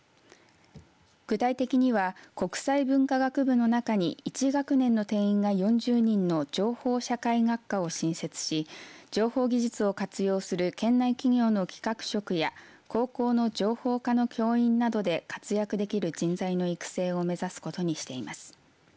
具体的には、国際文化学部の中に１学年の定員が４０人の情報社会学科を新設し情報技術を活用する県内企業の企画職や高校の情報科の教員などで活躍できる人材の育成を目指すことにしています。